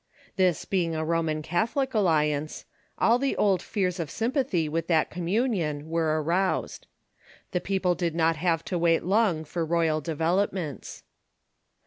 This being a Roman Cath olic alliance, all the old fears of sympathy with that commun ion were aroused. The people did not have to wait long for royal developments.